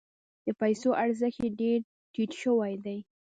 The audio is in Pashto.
د پیسو ارزښت یې ډیر ټیټ شوی دی.